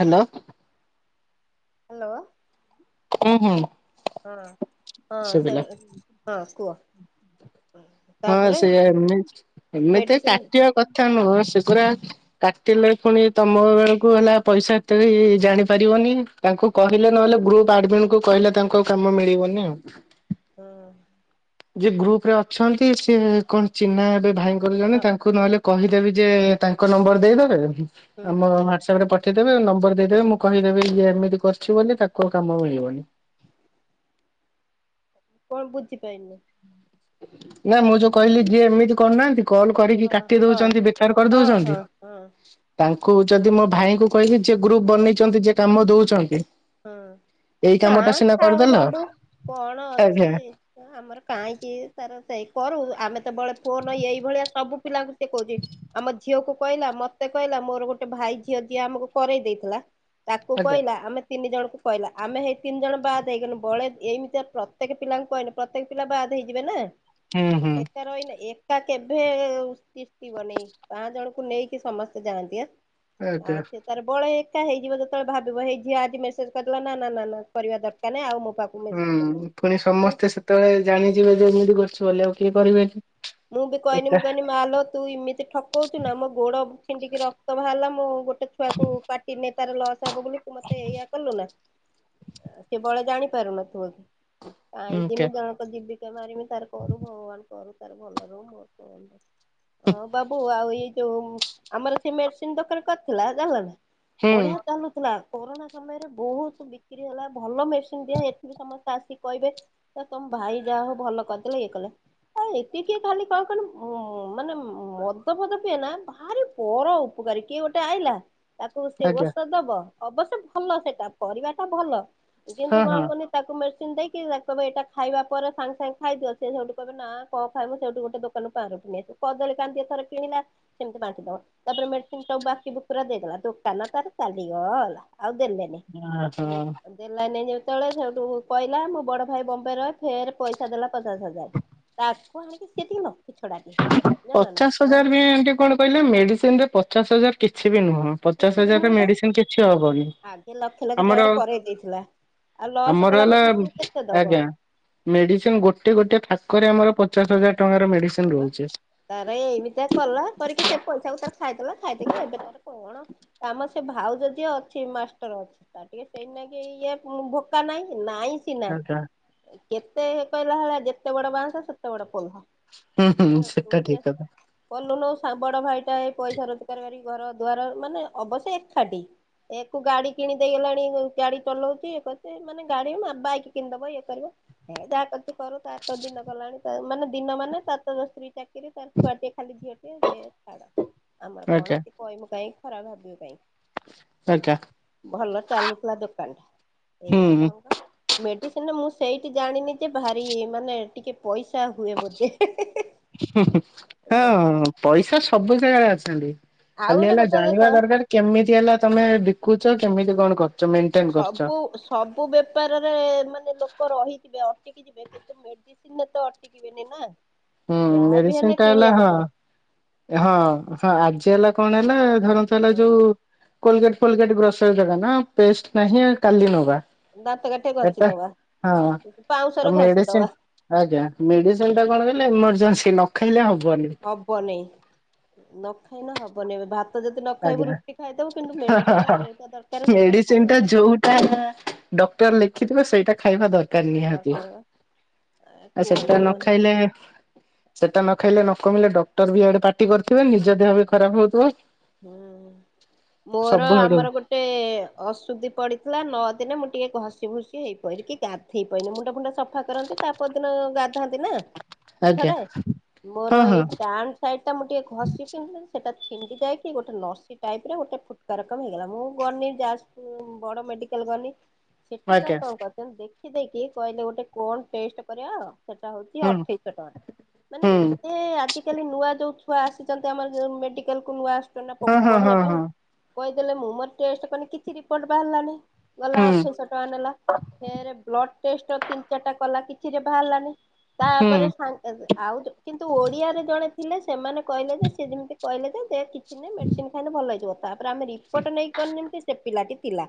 Hello! Hello! ହୁଁ ହୁଁ। ହଁ ହଁ ସେ ହଁ କୁଅ। ହଁ, ସେୟା ଏମି ଏମିତି ମେଡିସିନ କାଟିବା କଥା ନୁହଁ, ସେଗୁରା କାଟିଲେ, ପୁଣି ତମ ବେଳକୁ ହେଲା ପଇସା ଏତେ ଜାଣି ପାରିବନି ତାଙ୍କୁ କହିଲେ ନ ହେଲେ ଗ୍ରୁପ ଆଡ଼ମିନ୍ କୁ କହିଲେ, ତାଙ୍କୁ ଆଉ କାମ ମିଳିବନି ଆଉ। ହଁ। ଯେ ଗ୍ରୁପ ରେ ଅଛନ୍ତି, ସେ କଣ ଚିହ୍ନା ହେବେ ଭାଇଙ୍କର ଜଣେ, ହଁ ତାଙ୍କୁ ନହେଲେ କହିଦେବେ କି ଯେ ତାଙ୍କ ନମ୍ବର ଦେଇଦେବେ। ହୁଁ ଆମ ହ୍ଵାଟ୍ସଆପରେ ପ ପଠେଇ ଦେବେ ନମ୍ବର ଦେଇ ଦେବେ। ମୁଁ କହି ଦେବି ଇଏ ଏମିତି କରିଛି ବୋଲି ତାକୁ କାମ ମିଳି ବନି। [inaudible] କଣ ବୁଝି ପାଇଲିନି। ନା ମୁଁ ଯୋଉ କହିଲି ଯିଏ ଏମିତି କରୁନାହାନ୍ତି। କଲ କରିକି ହଁ କାଟି ହଁ ଦୋଉଚନ୍ତି ବେକାର କରି ହଁ ଦୋଉଚନ୍ତି ହଁ ହଁ ତାଙ୍କ କହୁଚନ୍ତି ମୋ ଭାଇଙ୍କୁ କହିଲି ଯିଏ ଗ୍ରୁପ ବନେଇ ଚନ୍ତି ଯିଏ କାମ ଦୋଉ ଚନ୍ତି ହଁ। ନା ଥାଉ କରିଦେଲ ବାବୁ କଣ ଅଛି ଆଜ୍ଞା ଆମର କାହିଁକି ତାର ସେଇ କରୁ ଆମେ ତ ବଳେ ଫୋନ ଏଇଭଳିଆ ସବୁ ପିଲାଙ୍କୁ ସେ କହୁଛି ଆମ ଝିଅକୁ କହିଲା। ମୋତେ କହିଲା ମୋର ଗୋଟେ ଭାଇ ଝିଅ ଯିଏ ଆମକୁ କରେ ଦେଇଥିଲା ତାକୁ ଆଜ୍ଞା କହିଲା ଆମେ। ତିନି ଜଣଙ୍କୁ କହିଲା ଆମେ ହେଇ ତିନି ଜଣ ବାଦ ହେଇଗନୁ ବଳେ ଏମିତିଆ ପ୍ରତ୍ୟେକ ପିଲାଙ୍କୁ କହିନେ ପ୍ରତ୍ୟେକ ପିଲା ବାଦ ହେ ହେଇଯିବେ ନା ହୁଁ ହୁଁ ଏକା ରହିନେ ଏ ଏକା କେବେ ତିଷ୍ଠିବନି ପାଁ ଜଣଙ୍କୁ ନେଇକି ସମସ୍ତେ ଯାଆନ୍ତି ଆଁ। ଆଉ ଆଜ୍ଞା ସେ ତାର ବଳେ ଏକା ହେଇଯିବ ଯେତେବେଳେ ଭାବିବ ହେଇ ଝିଅ ଆ ମେସେଜ୍ କରିଦେଲା ନା ନା ନା ନା କରିବା ଦରକାର ନାଇଁ ଆଉ ମୋ ପାଖକୁ ହୁଁ ମେସେଜ କରିବନି ଫୁଣି ମୁଁ ସମସ୍ତେ ସେତେବେଳେ ଜାଣି ଯିବେ ଯେ ଏମିତି କରୁଛୁ ବୋଲି ଆଉ। କିଏ ହୁଁ କରିବେନି। ମୁଁ ବି କହିନି ଏକା ମୁଁ କହିନି ମା ଲୋ ତୁ ଇମିତି ଠକୋଉଚୁ ନା ମୋ ଗୋଡ। ଛିଣ୍ଡିକି ରକ୍ତ ବାହାରିଲା ମୁଁ ଗୋଟେ ଛୁଆକୁ କାଟିନି ତାର ଲସ। ତାବ ବୋଲି ତୁ ମତେ ଏଇୟା କଲୁ ନା ଆ ସେ ବଳେ ଜାଣିପାରୁନଥୁବକି। କାଇଁ ଏକା ଜିମି ଜଣକ ଜୀବିକା ମାରିମି ତାର କ ଭଗବାନ କରୁ ତାର ଭଲ ରହୁ ମୋର କଣ ଅଛି ହଁ ବାବୁ ଆଉ ଏଇ। ଜଉ ଆମର ସେ ମେଡିସିନ ଦୋକାନ କରିଥିଲା ଜାଣିଲନା ହୁଁ ବଢିଆ ଚାଲୁଥିଲା। କୋରୋନା ସମୟରେ ବହୁତ ବିକ୍ରି ହେଲା ଭଲ ମେଡିସିନ ଦିଆ ଏଥିରୁ ସମସ୍ତେ ଆସିକି କହିବେ ତ ତମ ଭାଇ ଯାହା ହଉ ଭଲ କରିଦେଲେ ଇଏ କଲେ। ଆ ଏତିକି ଖାଲି କହ କନି ଉଁ ମାନେ ଉଁ ମଦ ଫଦ ପିଏ ନା ଭାରି ପର ଉପକା କରି କିଏ ଗୋଟେ ଆଇଲା ତାକୁ ସେ ଆଜ୍ଞା ଔଷଧ ଦବ ଅବଶ୍ୟ ଭଲ ସେଟା କରିବା ଟା ଭଲ। କିନ୍ତୁ ହଁ ହଁ କଣ କୁହନି ତାକୁ ମେଡିସିନ ଦେଇକି ତାକୁ କହିବ ଏଇଟା ଖାଇବା ପରେ ସାଙ୍ଗେ ସାଙ୍ଗେ ଖାଇଦିଅ। ସେ ସେଉଠୁ କହିବେ ନା କଣ ଖାଇବୁ ସେଉଠୁ ଗୋଟେ ଦୋକାନ ପାଉଁରୁଟି ନେଇ ଆସିବ କଦଳୀ କାନ୍ଦିଏ ଥରେ କିଣିଲା ସେମିତି ବାଣ୍ଟି ଦବ। ତାପରେ ମେଡିସିନ ସବୁ ବାକି ବୁକୁରା ଦେଇଦେଲା ଦୋକାନ ତାର ଚାଲିଗଲା। ଆଉ ଦେଲେନି ହଁ। ଲୋକ ଦେଲାନି ଯେମ ସେତେବେଳେ ସେଉଠୁ କହିଲା ମୋ ବଡ ଭାଇ ବମ୍ବେର ଫେରେ ପଇସା ଦେଲା କ ପଚାଶ ହଜାର ତାକୁ ଆଣିକି ସେ ଟିକେ ଲକ୍ଷ୍ମୀ ଛଡା ଟେ। ପଚାଶ ହଜାର ବି ଏମିତି କଣ କହିଲେ ମେଡିସିନ ରେ ପଚାଶ ହଜାର କିଛି ବି ନୁହଁ। ହଁ କିଛି ପଚାଶ ବି ହଜାରରେ ନୁହେଁ ବା ମେଡିସିନ କିଛି ହବନି ଆଗେ ଲକ୍ଷ ଲକ୍ଷ ଆମର। ଟଙ୍କାରେ କରେଇ ଦେଇଥିଲା ଆଉ ଲସ୍ ଆମର କଲା ହେଲା କତିକି ସିଏ କେତେ ଦବ ଆଜ୍ଞା ମେଡିସିନ ଗୋଟେ ଗୋଟେ ଫା କରେ ଆମର ପଚାଶ ହଜାର ଟଙ୍କାର ହଁ ମେଡିସିନ ବା। ରହୁଛି। ତାର ଏଇମିତିଆ କଲା କରିକି ସେ ପଇସାକୁ ତାର ଖାଇଦେଲା ଖାଇଦେଇକି ଏବେ ତାର କଣ ଆମ ସେ ଭା ଆଉ ତ ଯିଏ ଅଛି ମାଷ୍ଟର ଅଛି ତାର ଟିକେ ସେଇଥି ନାଈକିି ଇଏ ଉଁ ଭୋକା ନାଇଁ ନାଇଁ। ସିନା ଆଜ୍ଞା କେତେ କହିଲା ହେଲା ଯେତେ ବଡ ବାଂସ ସେତେ ବଡ ପୋଲଃ। ହୁଁ କି ହୁଁ ଜାଣେ ତୁ ସେଟା ଯେ ଠିକ କଥା କଲୁନୁ। ବଡ ଭାଇ ଟା ଏଇ ପଇସା ରୋଜଗାର କରିକୁ ଘର ଦ୍ୱାର ମାନେ ଅବଶ୍ୟ ଏକାଠି। ଏକୁ ଗାଡି କିଣିଦେଇଗଲାଣି ଗାଡି ଚଲଉଛି ଇଏ କରୁଛି ମାନେ ଗାଡି ମା ବାଇକି କିଣିଦବ ଇଏ କରିବ। ଏ ଯାହା କରୁଚି କରୁ ତାର ତ ଦିନ ଗଲାଣି ତା ମାନେ ଦିନ ମାନେ ତା ତାର ସ୍ତ୍ରୀ ଚାକିରି ତାର ଛୁଆଟିଏ ଖାଲି ଝିଅ ଟିଏ, ସେ ଛାଡ ଆମର କଣ ଆଜ୍ଞା ଅଛି କହିମୁ କାହିଁ। ଖରାପ ଭାବିବ କାଇଁ। ଆଜ୍ଞା ହଁ ଭଲ ଚାଲୁଥିଲା ଦୋକାନ ଟା ଏଇଆ ହୁଁ। ଢଙ୍ଗ ମେ କି ସିନା ମୁଁ ସେଇଠି ଜାଣିନି ଯେ ଭାରି ମାନେ ଟିକେ ପଇସା ହୁଏ ବୋଧେ ହେ ହେ। ହୁଁ ହୁଁ ହଁ ପଇସା ସବୁ ଜାଗା ରେ ଅଛନ୍ତି। ଆଉ ଖାଲି ଗୋଟେ ହେଲା କଥା ଜାଣିବା ଦେଖ ଦରକାର କେମିତି ହେଲା ତମେ ବିକୁଚ କେମିତି କଣ କର ସବୁ ସବୁ ବେପାରରେ ମାନେ ଲୋକ ରହିଥିବେ। ଅଟକିଯିବେ କିନ୍ତୁ ମେଡିସିନ ରେ ତ ଅଟିକିବେନି ନା। ହୁଁ ଯାହାବି ମେଡିସିନ ହେଲେ ଟା ହେଲା କିଣିବାକୁ ପଡେ ହଁ ହଁ ହଁ ଆଜି ହେଲା କଣ ହେଲା ଧର ତ ହେଲା ହଁ ଯୋଉ କୋଲଗେଟ ଫଲଗେଟ ବ୍ରସର ଦୁକାନ ନା ପେଷ୍ଟ ନାହିଁ କାଲି ନବା। ଦନ୍ତ କାଠି ଘଷି ଏଟା ଦବା ହଁ ଆଉ ପାଉଁଶରେ ଘଷି ମେଡିସିନ ଦବା। ଆଜ୍ଞା ମେଡିସିନ ଟା କଣ କଲେ ଏଇମର୍ଜେନ୍ସି ନ ଖାଇଲେ ହବ ହବ ନାଇ ନ ଖାଇ ନ ହବନାଇ ଭାତ ତ ଯଦି ନ ଖାଇବୁ ଆଜ୍ଞା ରୁଟି ଖାଇଦବୁ କିନ୍ତୁ ମେଡିସିନ ଟା ଯୋଉଟା ଦରକାର ସେଇଟା ମେଡିସିନ ଟା ଖାଇବାକୁ ଯୋଉଟା ଡକ୍ଟର ଲେଖିିବେ ସେଇଟା ଖାଇବା ଦରକାର ନି ନିହାତି। ଦରକାର ବା ଆଉ ସେଟଟା କୁହନା ନ କୁହନା ଖାଇଲେ ଖତା ନ ଖାଇଲେ ନ କମିଲେ ଡକ୍ଟର ବି ଆଡେ ପାଟି କରିଥିବେ ନିଜ ଦେହ ବି ଖରାପ ହଉଥିବ। ହଁ। ମୋର ସବୁ ଆଡୁ ଆମର ଗୋଟେ ଅସୁଧି ପଡିଥିଲା ନଅ ଦିନେ ମୁଁ ଟିକେ ଘସିି ଖୁସି ଭୁସି ହେଇପାଇଲି କି ଗାଧ ହେଇ ପାରନି ମୁଣ୍ଡ ଫୁଣ୍ଡା ସଫା କରନ୍ତି ତା ପରଦିନ ଗାଧାନ୍ତି ନା। ଆଜ୍ଞା ଥରେ ମୋର ହଁ ହଁ ଏଇ ଡାଣ ସାଇଡ ଟା ମୁଁ ଟିକେ ଘଷି ପିନ୍ଧି ସେଟା ଛିଣ୍ଡି ଯାଇି ଗୋଟେ ନର୍ସି ଟାଇପରେ ଗୋଟେ ଫୁଟ କାରକମ ହେଇଗଲା ମୁଁ ଗନି ଯାଜପୁର ବଡ ମେଡିକାଲ ଗନି। ସେଠି ତାର ଆଜ୍ଞା କଣ କୁ ଦେଖିଦେଇକି କହିଲେ ଗୋଟେ କଣ ଟେଷ୍ଟ କରିବା ସେଟା ହଉଛି ହୁଁ ଅଠେଇଶହ ଟଙ୍କା ମାନେ ହୁଁ ଏତେ ଆଜିକାଲି ନୂଆ ଯୋ ଛୁଆ ଆସିଛନ୍ତି ଆମରଉ ମେଡିକାଲକୁୁ ନୂଆ ଆସ ହୁଁ ହୁଁ ହୁଁ ହଁ। କହିଦେଲେ ମୁଁ ମୋର ଟେଷ୍ଟ କନ କିଛି ରିପୋର୍ଟ ବାହାରିଲାନି। ଗଲା ହୁଁ ଅଠେଇଶ ଟଙ୍କା ନେଲା ଫେରେ ବ୍ଲଡ ଟେଷ୍ଟ ତିନି ଚାରିଟା କଲା କିଛିରେ ବାହାରିଲାନି। ହୁଁ ତାପରେ ସା ଆଉ କିନ୍ତୁ ଓଡିଆରେ ଜଣେ ଥିଲେ ସେମାନେ କହିଲେ ଯେ ସେଏ ଯେମିତି କହେ ଯେ କିଛି ନାଁ ମେଡିସିନ ଖାଇଲେ ଭଲ ହେଇଯିବ। ତାପରେ ଆମେ ରିପୋର୍ଟ ନେଇକ କରିମତି ସେ ପିଲାଟି ଥିଲା,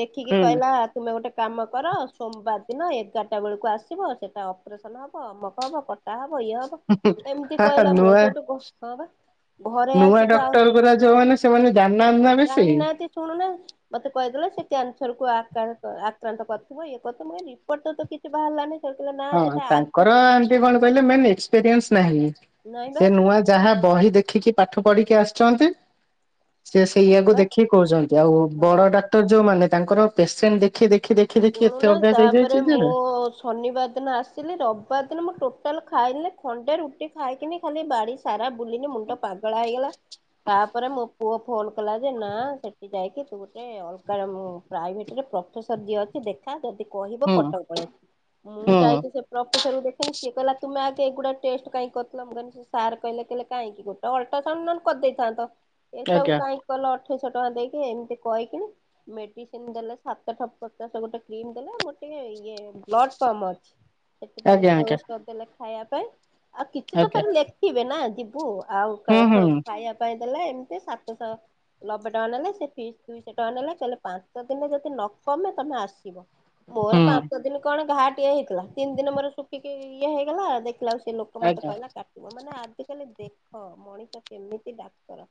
ଦେଖିକି ହୁଁ କହିଲା ତୁମେଗୋଟେ କାମକର ସୋମବାର ଦିନ ଏଗାରଟା ବେଳକୁ ଆସିବ, ସେଇଟା ଅପରେସନ୍ ହେବ ଅମକହେବ କଟାହେବ ଭଇହବ ଏମିତି କହିଲା ମୁଁର ନୂଆ ସୋଠୁ ହଁ ବା ଘରେଆସିକି ଟର ଯୋଉ ମାନ ସେମାନେ ଜାନାହାନ୍ତି ନା ବେଶୀ ଜାଣିନାହାନ୍ତି ମତେ କହିଦେଲେ ସେ କ୍ୟାନସରକୁ ଆକ୍ରାନ୍ତ ଆକ୍ରାନ୍ତ କରିଥିବ ଇଏକରିଥିବ, ମୁଁ କହିଲି ରିପୋର୍ଟ ତ ତ କିଛି ବାହାରିଲାନି ସେ କହିଲା ନା ହଁ ସେଟା ଆଗ ତାଙ୍କର ଏମତି କଣ କହିଲେ ମେନ୍ ଏକ୍ସପିରିଏସ ନାହିଁ। ନାଇଁ ବା ସେ ନୂଆ ଯାହା ବହି ଦେଖିକି ପାଠ ପଢିକି ଆସିଛନ୍ତି। ସେ ସେଇଆ ସେଇୟଆକୁ ବା ଦେଖିକି କହୁଛନ୍ତି ଆଉ ହଁ। ବଡଡାକ୍ତର ଯୋଉମାନେ ତାଙ୍କର ପେସେଣ୍ଟ ଦେଖ ଶୁଣୁନା ତାପରେ ଯେ ମୁଁ ଶନିବାର ଦିନ ଆସିଲି ରବିବାର ଦିନ ମୁଁ ଟୋଟାଲ ଖାଇିନି, ଖଣ୍ଡେ ରୁଟି ଖାଇକିନି ଖାଲି ବାଡ଼ିସାରା ବୁଲିନି ମୁଣ୍ଡ ପାଗଳା ହେଇଗଲା। ତାପରେ ମୋପୁଅ ଫୋନ କଲାଯେ ନା ସେଠି ଯାଇକି ତୁଗୋଟେ ଅଲଗା ରେ ପ୍ରଫେସର ଯିଏ ଅଛି ଦେଖା, ଯଦି କହିବ ହୁଁ କଟକଳେ, ମୁଁ ହୁଁ ଯାଇକି ସେ ପ୍ରଫେସରକୁ ଦେଖେନି ସିଏ କିଲ ତମେଗ କେଗୁଡା ଟେଷ୍ଟ କାଇଁ କରୁଥିଲ, ସାର୍ କହିଲେ କିଲେ କାହିଁକି ଗୋଟେ ଅଲଟ୍ରାସାଉଣ୍ଡ ନ କରିଦେଇଥାନ୍ତ। ଏଟାକୁ ଆଜ୍ଞା କାହିଁକିକଲ ଅଠେଇଶହଟଙ୍କା ଦେଇକି ଏମିତି କହିକିନି ମେଡିସିନ ଦେଲେ ସାତ [inaudible] ଗୋଟେ କ୍ରିମଦେଲେ ଗୋଟେ ଟିକେ ଇଏ ବ୍ଲଡ୍ କମ୍, ସେଥିପାଇଁ ଆଜ୍ଞା ଗୋଟେ ଆଜ୍ଞା ଔଷଧଦେଲେ ଖାଇବାପାଇଁ। ଆଉ କିଛିତ ଆଜ୍ଞା ପରେ ଲେଖିବେ ନା, ଯିବୁ ଆଉ ହୁଁ ହୁଁ ଖାଇବାପାଇଁ ଦେଲା ଏମିତି ସାତଶହ ନବେଟଙ୍କା ନେଲେ, ସେ ଫିସ୍ ଦୁଇଶହଟଙ୍କା ନେଲେ, କହିଲେ ପାଞ୍ଚଦିନ ଯଦି ନ ତମେତମେ ଆସିବ, ମୋର ହୁଁ ପାଞ୍ଚଦିନ କଣା ହେଇଥିଲା ତିନିଦିନ ମୋର ଶୁଖିକି ଇଏ ହେଇଗଲା ଦେଖିଲା ସେ ଲୋକ ମତେ ଆଜ୍ଞା କହିଲା କାଟିବ ମାନେ ଆକାଲି ଦେଖ, ମଣିଷ କେମିତି ଡାକ୍ତର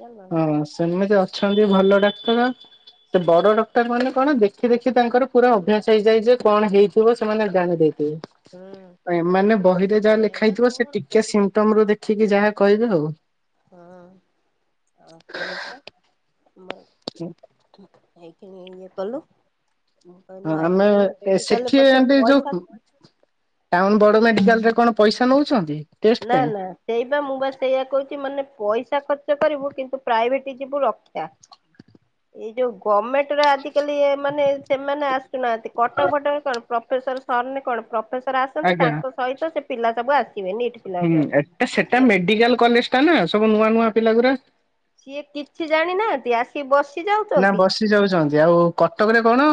ଜାଣିଲ। ହଁ, ସେମିତି ଅଛନ୍ତି ଭଲ ଡାକ୍ତର। ସେ ବଡ ଡକ୍ଟର ମାନେ କଣ ଦେଖିଦେଖି ତାଙ୍କର ପୁରା ଅଭ୍ୟାସ ହେଇଯାଇ ଯେ କଣହେଇଥିବ ସେମାନେ ହୁଁ ଜାଣିଦେଇ [inaudible] ମାନେ ବହିରେ ଯାହା ସେଇଆ ବା ଲେଖାହେଇଥିବ ସେ କଣ ଟିକେ କହିବୁ ସିମ୍ଟମରୁ ଦେଖିକି କୁହ। ଯାହା କହିବେ ଆଉ। [inaudible] [inaudible] ଆସନ୍ତା ଆମର ହେଇକିଣି ଇଏ କଲୁ। ମ କହିଲି ଆମେ ଆଜିକାଲି ସେଠି ମେଟିକଲ ପଛେ ଏମତି ଯୋଉ ପଇସା ଟାଉନ ବଡମେଡିକାଲରେ କଣ ପଇସା ନଉଛନ୍ତି। ଟେଷ୍ଟ ନା ପାଇଁ? ନା ସେଇବା ମୁଁବା ସେଇଆ କହୁଛି ମାନେ ପଇସା ଖର୍ଚ୍ଚ କରିବୁ କିନ୍ତୁ ପ୍ରାଇଭେଟି ଯିବୁ ରକ୍ଷା ଏଇଯୋଉ ଗମେଣ୍ଟର ଆଜିକାଲିଏ ମାନେ ସେମାନେ ଆସୁନାହାନ୍ତି କଟକଫଟକ କଣ। ପ୍ରଫେସର ସର ନ କଣ ପ୍ରଫେସର ଆସନ୍ତି ଆଜ୍ଞା ତାଙ୍କ ସହିତ ସେ ପିଲା ସବୁ ଆସିବେନି। ହୁଁ ଏଟା ସେଟା ମେଡିକାଲ କଲେଜ ଟା ନା ସବୁ ନୂଆନୂଆ ପିଲାଗୁରା। ସିଏ କିଛି ଜାଣିନାହାନ୍ତି ଆସିକି ବସି ନା ଯାଉଛନ୍ତି ବସି ଯାଉଛନ୍ତି ଆଉ କଟକରେ କଣ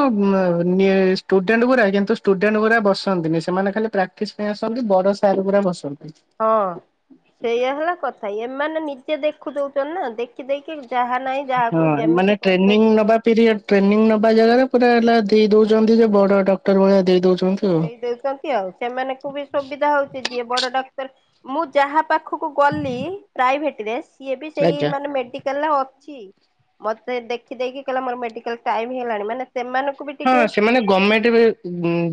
ଷ୍ଟୁଡେଣ୍ଟ ଗୁରା କିନ୍ତୁ ଷ୍ଟୁଡେଣ୍ଟ ଗୁରା ବସନ୍ତିନି ସେମାନେ ଖାଲି ପ୍ରାକ୍ଟିସ୍ ପାଇଁ ଆସନ୍ତି ବର ସାର ପୁରା ବସନ୍ତୁ। ହଁ ସେଇଆ ହେଲା କଥା ଏମାନେ ନିଜେ ଦେଖୁ ଦଉଛନ୍ତିନା ଦେଖିଦକି? ହଁ ମାନେ ଟ୍ରେନିଂ ନବା ପିରିୟଡ ଟ୍ରେନିଂ ନବା ଜାଗାରେ ପୁରା ହେଲା ଦେଇଦଉଛନ୍ତି ଯେ ବଡଡକ୍ଟର ଭଳିଆ ଦେଇଦଉଛନ୍ତି। ଦେଇଦଉଛନ୍ତି ଆଉ ସେମାନଙ୍କୁ ବି ସୁବିଧାହଉଛି ଯିଏ ବଡଡାକ୍ତର ମୁଁ ଯାହା ପାଖକୁ ଗଲି ପ୍ରାଇଭେଟିରେ ସିଏବି ସେଇ ଆଜ୍ଞା। ମାନେ ମେଡିକାଲରେ ଅଛି। ମତେ ଦେଖିଦେଇକି କହିଲା ମୋର ମେଡିକାଲ ଟାଇ ହେଲାଣି ମାନେ ସେମାନଙ୍କୁ ବି ହଁ ଟିକେ ସେମାନେ ଗଭଣମେଣ୍ଟ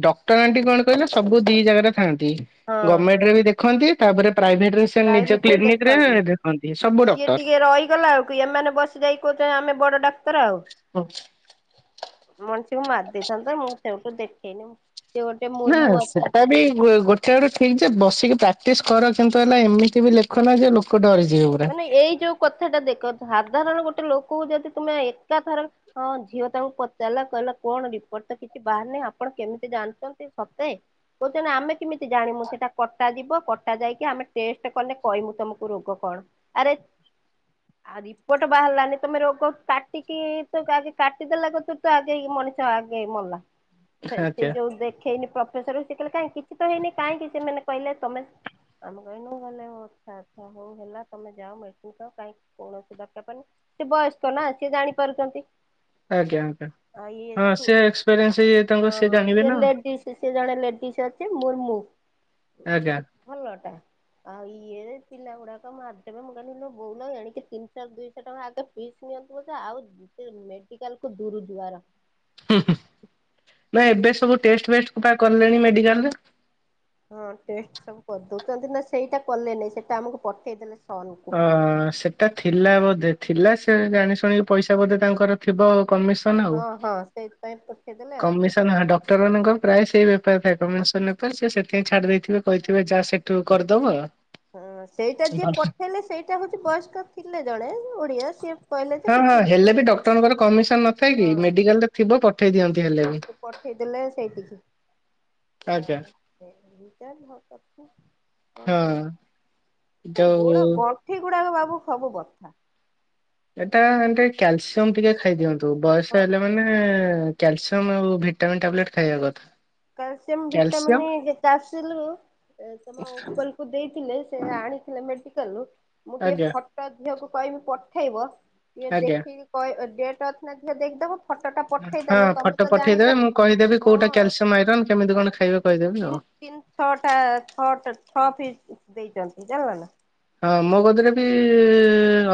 ଡକ୍ଟର ଆଣ୍ଟି କଣ କହିଲେ ସବୁ ଦି ଜାଗାରେ ଗମେଣ୍ଟ ବି ଦେଖନ୍ତି ତାପରେ ପ୍ରାଇଭେଟରେ ସେ ପ୍ରାଇ ନିଜ ଭେତିରେ କ୍ଲିନିକ ରେ ଦେଖନ୍ତି ଦେଖନ୍ତି ସବୁ ସିଏ ଡକ୍ଟର। ଟିକେ ରହିଗଲା ବେଳକୁ ଆଉ ଏମାନେ ବସି ଯାଇକି ତ ଆମେ ବଡ ତର ଆଉ ମଣିଷୀକୁ ମାରି ଦେଇେଇଥାନ୍ତତା ମୁଁ ସେଠୁ ଦେଖେଇନି। ସେ ଗୋଟେ ନା ମୁର୍ମୁ ଅଛନ୍ତି ସେଟା ବି ଗୋଟେଆଡ କୁ ଠିକ ଯେ ବସିକି ପ୍ରାକ୍ଟିସ୍ କର କିନ୍ତୁ ହେଲା ଏମିତି ବି ଲେଖ ନାହି ଯେ ଲୋକ ଡରି ମାନେ ଏଇ ଯୋଉ କଥାଟା ଦେଖ ସାଧାରଣ ଗୋଟେ ଲୋକ। କୁ ଯଦି ତୁମେ ଏକାଥର ହ ଝିଅ ତାଙ୍କୁ ପଚାରିଲା କହିଲା କଣ ରିପୋର୍ଟ ତ କିଛି ବାହାର ନାିଁ ଆପଣ କେମିତି ଜାଣିଛନ୍ତି ସତେ କହୁଛନ୍ତି ଆମେ କେମିତି ଜାଣମୁ ସେଟା କଟା ଯିବ କଟା ଯାଇକି ଆମେ ଟେଷ୍ଟ କଲେ କହମୁ ତମକୁ ରୋଗ କଣ। ଆରେ ଆଉ ଦିପଟ ବାହାରିଲାନି ତମେ ରୋଗ କାଟିକି ତୁ ଆଗେ କାଟିଦେଲା କୁ ତୁ ଆଗେ ମଣିଷ ଆଗେ ମଲା ସେ ଆଜ୍ଞା ଯୋଉ ଦେଖେଇନି ପ୍ରଫେସରକୁ। ସେ କିଲେ କାହିଁ କିଛି ତ ହେଇନି କାହିଁକି ସେମାନେ କହିଲେ ତମେ ଆମେ କହନୁ ଗଲେଉ ଅଚ୍ଛା ଆଚଛା ହଉ ହେଲା। ତମେ ଯାଅ ମେଡିସିନ ଖ କାଇଁ କୌଣସି ଦରକାରନି ସେ ବୟସ୍କ ନା ସି ଜାଣି ପାରୁଛନ୍ତି। ଆଜ୍ଞା ଆଞା। ଆଉ ଇଏଛୁ ହଁ ଜାଣିବେ ସେ ନା ଲେଡି ସେ ଜଣେ ଲେଡିସ୍ ଅଛି ମୁର୍ମୁ। ଆଜ୍ଞା। ଭଲ ଟା ଆଉ ଇଏ ପିଲା ଗୁଡାକ ମାର ଶେଇପା ମୁଁ କହିଲି ଇଲୋ ବୋଉଲୋ ଏଣିକି ତିନିଶ ଦୁଇଶହ ଟଙ୍କା ଆଗେ ଫିସ୍ ନିଅନ୍ତୁ ବୋଧେ ଆଉ କେତେକ ମେଡିକାଲ କୁ ଅ ଦୂରୁ ଦ୍ୱର ନା ଏବେ ସବୁ ଟେଷ୍ଟ ଫେଷ୍ଟ କଲେଣି ମେଡିକାଲରେ। ହଁ ଟଷ୍ଟ ସବୁ କରିଦଉଛନ୍ତି ନା ସେଇଟା କଲେନାଇଁ ସେଇଟା ଆମକୁ ପଠେଇଦେଲେ। ସନ କୁ। ଅ ସେଟା ଥିଲା ବୋଧେ ଥିଲା ସେ ଯାଣି ଶୁଣିକି ପଇସା ବୋଧେ ତାଙ୍କର ଥିବ କମିଶନ ଆଉ। ହଁ ହଁ ସେଇଥିପାଇଁ ପଠେଇଦେଲେ ଆଉ। ଟରମାନଙ୍କ ପ୍ରାୟ ସେଇ ବେପାର ଥାଏ କମଣେଶ ନେପାର ସେଥିଇଁ ଛାଡ଼ି ଦେଇଥିବେ କହିିବେ ଯା ସେ ସେ ହଁ ସେଇଟା ଯିଏ ଭଲ ପଠେଇଲା ସି ସେଇଟା ହଉଛି ବୟସ୍କପ ଥିଲେ ଜଣେ ଓଡିଆ ସିଏ କହିଲେ ଯେ ହଁ ହଁ କିଛି ହେଲେ ରିପୋର୍ଟ ବି ନାହିଁ ଡକ୍ଟରଙ୍କର କମିଶନ ନ ଥାଏ କି ହଁ ମେଡିକାଲ ରେ ଥିବ ପଠେଇ ଦିଅନ୍ତି। ହେଲେ ବି। ସେ ପଠେଇଦେଲେ ସେଇଠିକି। ଆଜ୍ଞା ଆଟ ହ ତ କଣ ହଁ [unintelligible] ଯୋଉ ଗୋଡ ଗଣ୍ଠି ଗୁଡାକ ବାବୁ ସବୁ ବଥା। ଏଟା ଏ କ୍ୟାଲସିୟମ ଟିକେ ଖାଇଦିଅନ୍ତୁ ବୟସ ହଁ ହେଲେ ମାନେ କ୍ୟାଲସିୟମ୍ ଆଉ ଭିଟାମିନ୍ ଟାବଲେଟ୍ ଖାଇବା କଥା। କଲସିୟମ ଭିଟମିନଟା କ୍ୟାଲସିୟମ ମାନେ ଯେତେ ଆସିଲୁ ତମ ଅଙ୍କଲକୁ ଦେଇ ଥିଲେ ସେ ଆଣିଥିଲେ ମେଡିକାଲୁ ମୁଁ ଟିକେ ଆଜ୍ଞା ଫଟୋ ଦେହକୁ କହିବି ପଠେଇବ। ଟିକେ ଆଜ୍ଞା ଦେଖିକି କହିବ ଅଥ ନା ଯେ ଦେଖିଦବ। ଫଟୋଟା ହଁ ପଠେଇଦେଲେ ତମେ ଫଟୋ ପଠେଇଦେବେ ମୁଁ କହିଦେବି କୋଉଟା କ୍ୟାଲସିୟମ ଆଇରନ୍ କେମିତି କଣ ଖାଇବେ କହିଦେବି ଆଉ। ତିନ ଛୋଟା ଛଟ ଛଅ ପିସ୍। ଦେଇଛନ୍ତି ଜାଣିଲ ନା? ହଁ ମୋ କତିରେ ବି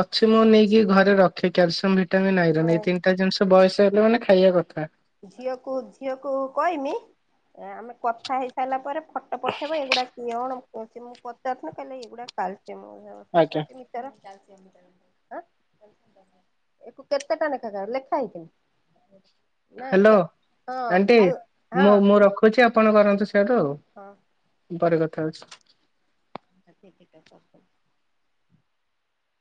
ଅଛି ମୁଁ ନେଇକି ଘରେ ରଖେ କ୍ୟାଲସିୟମ ଭି ଏଇଟା ନାଇଁ ଏଇ ତିନିଟା ଜିନିଷ ବୟସ ହେଲେ ମାନେ ଖାଇବା କଥା। ଝିଅକୁ ଝିଅକୁ କହିମି ଆମେ କଥା ହେଇ ସାରିଲା ପରେ ଫଟୋ ପଠେଇବ ଏଇଗୁଡା କଣ ମୁଁ ପଚାରୁଥନ କାେ ଏଗୁଡା ଆଜ୍ଞା। [unintelligible] ଏକୁ କେତେ ଟା ଲେଖା କ ଲେଖା ହେଇଛି? ହାଲୋ ଆଣ୍ଟି ହଁ ମୁଁ ମୁଁ ରଖୁଛି ଆପଣ କରନ୍ତୁ ସେଆଡୁ? ହଁ। ପରେ କଥାହଉଛି। ତିକଟା କଖ